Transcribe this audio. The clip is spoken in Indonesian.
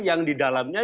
yang di dalamnya